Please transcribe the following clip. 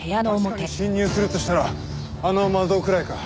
確かに侵入するとしたらあの窓くらいか。